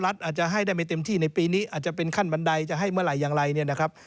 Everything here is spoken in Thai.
อาจจะให้ได้ไม่เต็มที่ในปีนี้อาจจะเป็นขั้นบันไดจะให้เมื่อไหร่อย่างไรเนี่ยนะครับ